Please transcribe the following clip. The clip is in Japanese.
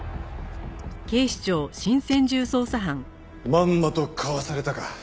まんまとかわされたか。